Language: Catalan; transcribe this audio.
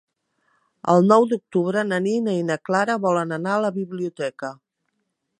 El nou d'octubre na Nina i na Clara volen anar a la biblioteca.